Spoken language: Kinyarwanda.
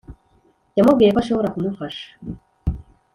yamubwiye ko ashobora kumufasha